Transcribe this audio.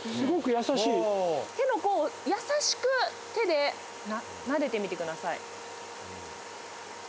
手の甲を優しく手でなでてみてください。